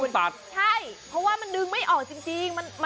มันตัดใช่เพราะว่ามันดึงไม่ออกจริง